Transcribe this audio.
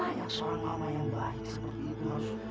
hanya seorang mama yang baik seperti itu